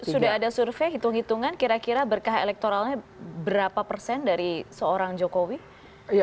sudah ada survei hitung hitungan kira kira berkah elektoralnya berapa persen dari seorang jokowi